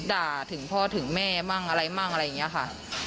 ด่าถึงพ่อถึงแม่มั่งอะไรมั่งอะไรอย่างนี้ค่ะ